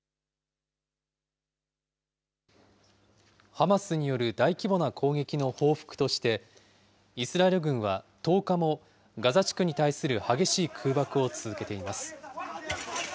ハマスによる大規模な攻撃の報復として、イスラエル軍は１０日もガザ地区に対する激しい空爆を続けています。